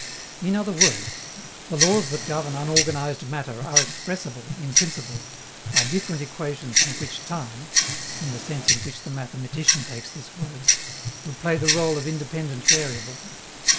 In other words, the laws that govern unorganized matter are expressible, in principle, by differential equations in which time (in the sense in which the mathematician takes this word) would play the rôle of independent variable.